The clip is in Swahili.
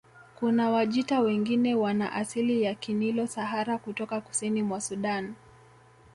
Kuna Wajita wengine wana asili ya Kinilo Sahara kutoka kusini mwa Sudan